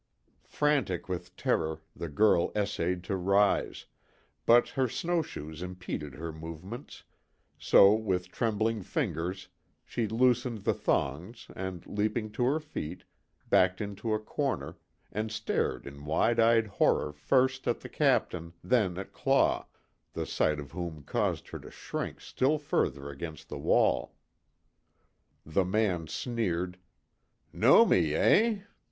Frantic with terror the girl essayed to rise, but her snowshoes impeded her movements, so with trembling fingers she loosened the thongs and, leaping to her feet, backed into a corner, and stared in wide eyed horror first at the Captain, then at Claw, the sight of whom caused her to shrink still further against the wall. The man sneered: "Know me, eh?